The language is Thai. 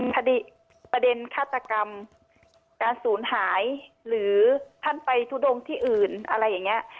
คดีประเด็นฆาตกรรมการศูนย์หายหรือท่านไปทุดงที่อื่นอะไรอย่างนี้